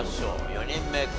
４人目昴